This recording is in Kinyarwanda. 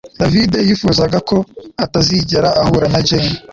David yifuzaga ko atazigera ahura na Jane